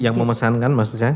yang memesankan maksudnya